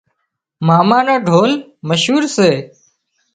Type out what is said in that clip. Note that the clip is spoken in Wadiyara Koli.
ماما نو ڍول مشهور سي